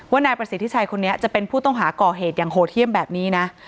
นายประสิทธิชัยคนนี้จะเป็นผู้ต้องหาก่อเหตุอย่างโหดเยี่ยมแบบนี้นะ